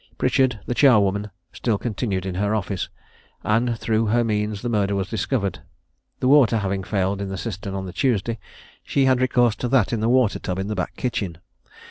Pritchard, the charwoman, still continued in her office, and through her means the murder was discovered. The water having failed in the cistern on the Tuesday, she had recourse to that in the water tub in the back kitchen.